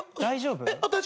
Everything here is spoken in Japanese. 大丈夫？